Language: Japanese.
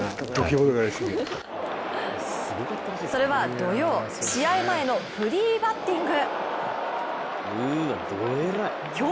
それは土曜試合前のフリーバッティング。